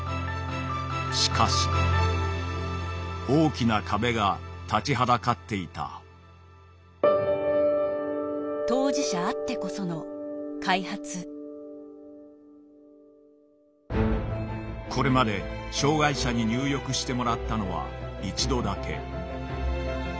しかし大きな壁が立ちはだかっていたこれまで障害者に入浴してもらったのは一度だけ。